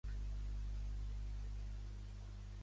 Els fideus o les burballes també es poden fer brouosos o secs